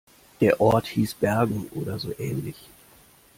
Der Ort hieß Bergen oder so ähnlich.